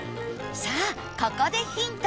さあここでヒント